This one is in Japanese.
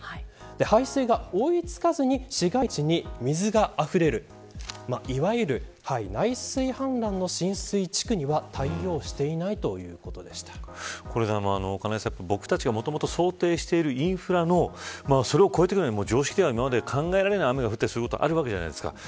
排水が追い付かずに、市街地に水があふれるいわゆる内水氾濫の浸水地区には対応していないこれ金井さん、僕たちがもともと想定しているインフラのそれを超えてくる常識的には考えられない雨が降ったりすることがあるわけじゃないですか。